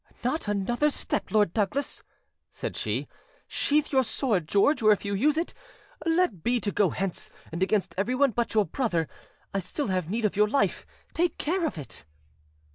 "Not another step, Lord Douglas," said she. "Sheathe your sword, George, or if you use it, let be to go hence, and against everyone but your b other. I still have need of your life; take care of it."